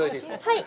はい。